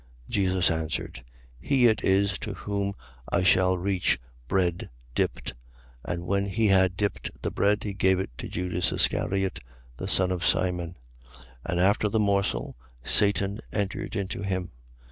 13:26. Jesus answered: He it is to whom I shall reach bread dipped. And when he had dipped the bread, he gave it to Judas Iscariot, the son of Simon. 13:27. And after the morsel, Satan entered into him.